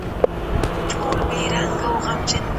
د قیامت په ورځ به رښتیا برلاسي وي.